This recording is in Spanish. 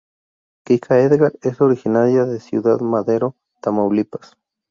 Kika Edgar es originaria de Ciudad Madero, Tamaulipas.